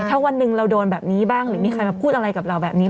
ถ้าวันหนึ่งเราโดนแบบนี้บ้างหรือมีใครมาพูดอะไรกับเราแบบนี้